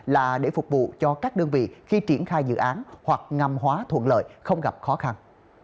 là để phục vụ cho các đơn vị khi triển khai dự án hoặc ngầm hóa thuận lợi không gặp khó khăn